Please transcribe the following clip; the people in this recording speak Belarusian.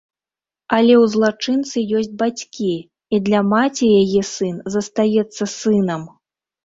Але ў злачынцы ёсць бацькі, і для маці яе сын застаецца сынам.